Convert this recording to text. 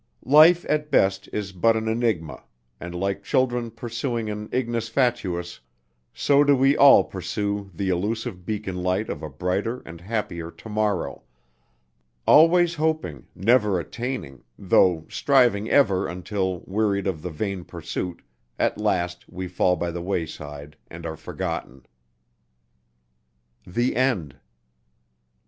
Life at best is but an enigma, and like children pursuing an Ignis Fatuus, so do we all pursue the illusive beacon light of a brighter and happier to morrow always hoping, never attaining, though striving ever until, wearied of the vain pursuit, at last we fall by the wayside and are forgotten. THE END.